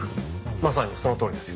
まさにそのとおりですよ。